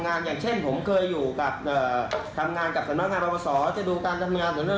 วันนี้ไปจับเพราะว่าเขาไปให้สัมภาษณ์